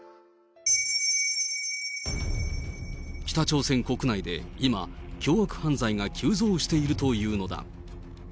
北朝鮮国内で今、凶悪犯罪が急増しているというのだ。